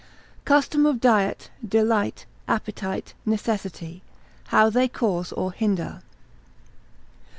—Custom of Diet, Delight, Appetite, Necessity, how they cause or hinder.